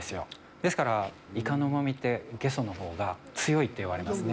ですから、イカのうまみって、ゲソのほうが強いと言われますね。